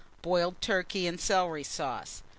Boiled Turkey and Celery Sauce.